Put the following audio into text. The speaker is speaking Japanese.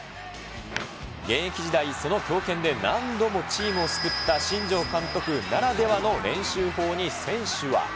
現役時代、その強肩で何度もチームを救った新庄監督ならではの練習法に選手は。